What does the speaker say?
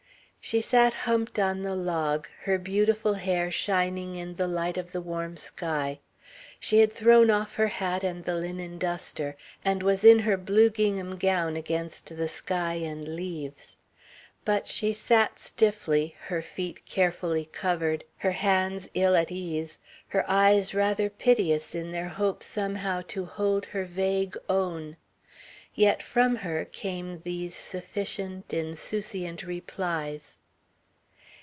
She sat humped on the log, her beautiful hair shining in the light of the warm sky. She had thrown off her hat and the linen duster, and was in her blue gingham gown against the sky and leaves. But she sat stiffly, her feet carefully covered, her hands ill at ease, her eyes rather piteous in their hope somehow to hold her vague own. Yet from her came these sufficient, insouciant replies.